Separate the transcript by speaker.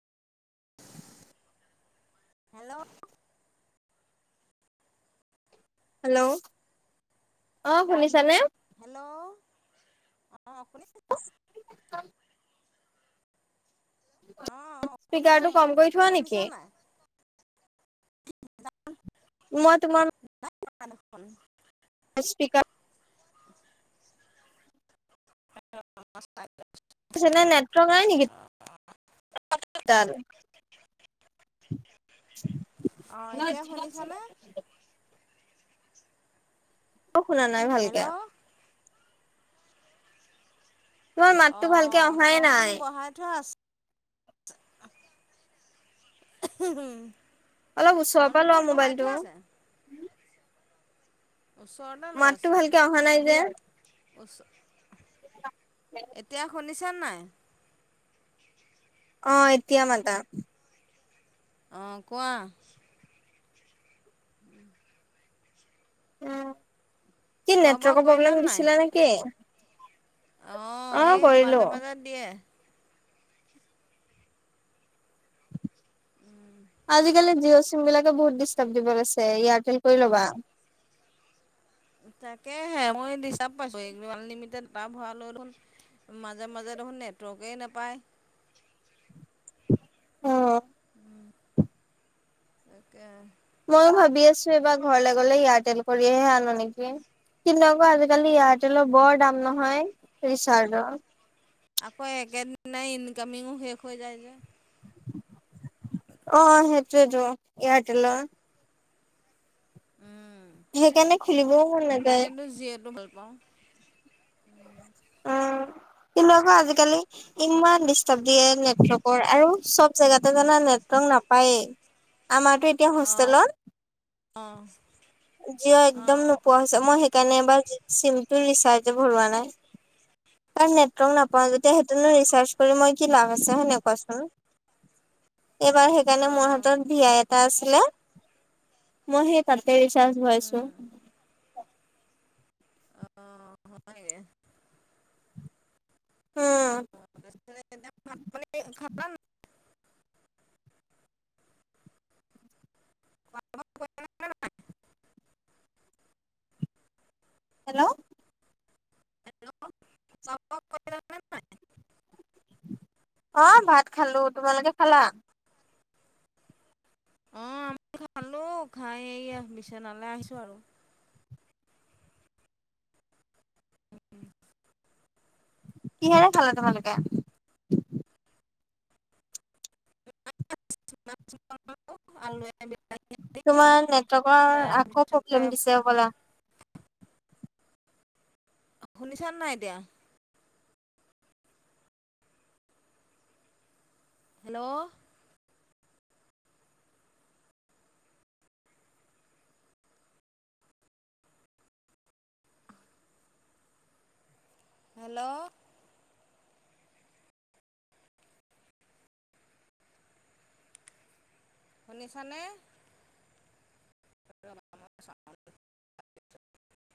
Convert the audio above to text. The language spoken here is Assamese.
Speaker 1: [unintelligible]
Speaker 2: হেল্ল'?
Speaker 1: হেল্ল'? অ'! শুনিছানে?
Speaker 2: হেল্ল'? অ'!
Speaker 1: [unintelligible]
Speaker 2: অ অ শুনিছো
Speaker 1: স্পীকাৰটো কম
Speaker 2: মই।
Speaker 1: কৰি
Speaker 2: তুমি
Speaker 1: থোৱা
Speaker 2: শুনিছা
Speaker 1: নেকি
Speaker 2: নাই?
Speaker 1: মই তোমান
Speaker 2: [unintelligible]
Speaker 1: স্পিকা টো চাইডে নেটৱৰ্ক নাই নেকি? তাৰো [inaudible]
Speaker 2: অ এতিয়া শুনিছানে?
Speaker 1: অ শুনা নাই ভালকে।
Speaker 2: হেল্ল'
Speaker 1: তোমাৰ
Speaker 2: অ
Speaker 1: মাততো ভালকে অহাই
Speaker 2: ছাউণ্ডটো
Speaker 1: নাই
Speaker 2: দেখোন বহাই থোৱা আছ-
Speaker 1: অলপ ওচৰৰ পৰা
Speaker 2: চাউণ্ডটো
Speaker 1: লোৱা
Speaker 2: বহাই
Speaker 1: মোবাইলটো
Speaker 2: থোৱা আছে। ওচৰতে লৈ
Speaker 1: মাততো
Speaker 2: আছো।
Speaker 1: ভালকে অহা নাই যে
Speaker 2: উচ, এতিয়া শুনিছ নাই?
Speaker 1: অ এতিয়া মাতা।
Speaker 2: অ কোৱা? [unintelligible]
Speaker 1: কি
Speaker 2: খোৱা বোৱা
Speaker 1: নেটৱৰ্কৰ
Speaker 2: কৰিলা
Speaker 1: প্ৰব্লেম দিছিলে নেকি?
Speaker 2: অ এই মাজে মাজে দিয়ে। উম।
Speaker 1: আজিকালি জিঅ' চিম বিলাকে বহুত ডিষ্টাব দিব লৈছে এয়াৰটেল কৰি লবা।
Speaker 2: তাকেহে মই ডিষ্টাব পাইছো মই এইটো আনলিমিটেড ডাটা ভৰালোহ দেখোন। মাজে মাজে দেখোন নেটৱৰ্কেই নেপায়।
Speaker 1: অ।
Speaker 2: উম তাকে।
Speaker 1: মই ভাবি আছো এইবাৰ ঘৰলৈ গ'লে এয়াৰটেল কৰিহে আনো নেকি। কিনক আজিকালি এয়াৰটেলৰ বৰ দাম নহয় ৰিচাৰ্জৰ।
Speaker 2: আকৌ একেদিনাই ইনকামিঙো শেষ হৈ যায় যে।
Speaker 1: অ সেইটোৱে টো এয়াৰটেলৰ।
Speaker 2: উম।
Speaker 1: সেইকাৰণে খুলিবও মন নাযায়।
Speaker 2: জিয়েটো ভাল পাওঁ।
Speaker 1: অ কিন্তু ক আজিকালি ইমান ডিষ্টাব দিয়ে নেৰ্টক। আৰু চব জেগাতে জানা নেটৱৰ্ক নাপায়। আমাৰতো এতিয়া
Speaker 2: অ',
Speaker 1: হোষ্টেলত জিঅ একদম
Speaker 2: অ',
Speaker 1: নোপোৱা হৈছে। মই সেইকাৰণে এবাৰ জি চিমটো ৰিচাৰ্জ ভৰোৱা নাই। তাৰ নেটৱৰ্ক নাপাওঁ যেতিয়া সেইটোনো ৰিচাৰ্জ কৰি মই কি লাভ আছে হয় নাই কোৱাচোন। এইবাৰ সেইকাৰণে মোৰ
Speaker 2: অ',
Speaker 1: হাতৰ ভিয়াই এটা আছিলে। মই সেই তাতে ৰিচাৰ্জ ভাৰাইছো।
Speaker 2: উম, অ হয়ে।
Speaker 1: হ।
Speaker 2: ইমান। অ',
Speaker 1: হেল্ল' অ ভাত খালো। তোমালোকে খালা?
Speaker 2: আমি খালো খাই এয়া বিচনালে আহিছো আৰু
Speaker 1: কিহেৰে খালা তোমালোকে?
Speaker 2: [unintelligible]
Speaker 1: তোমাৰ নেটৱৰ্কৰ আকৌ
Speaker 2: তাৰপিছতে
Speaker 1: প্ৰব্লেম দিছে সবলা।
Speaker 2: শুনিছা নাই এতিয়া? হেল্ল' হেল্ল' শুনিছা নে? [unintelligible]